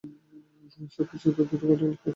সবকিছু এতো দ্রুত ঘটে গেলো, তাই না?